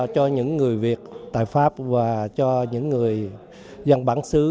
cho những người việt tại pháp và cho những người dân bản xứ